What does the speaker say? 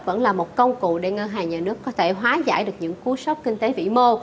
vẫn là một công cụ để ngân hàng nhà nước có thể hóa giải được những cú sốc kinh tế vĩ mô